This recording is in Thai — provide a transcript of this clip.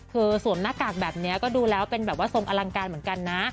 สวมหน้ากากแบบนี้ก็ดูแล้วเป็นแบบว่าทรงอลังการเหมือนกันนะ